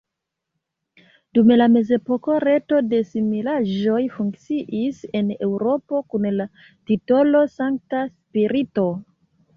Dum la mezepoko reto de similaĵoj funkciis en Eŭropo kun la titolo Sankta Spirito.